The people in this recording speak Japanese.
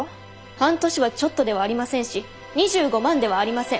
半年は「ちょっと」ではありませんし２５万ではありません。